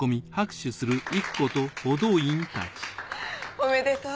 おめでとう。